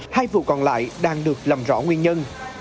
hai vụ còn lại đang được làm rõ nguyên nhân